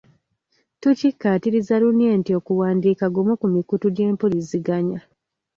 Tukikkaatiriza lunye nti okuwandiika gumu ku mikutu gy'empuliziganya.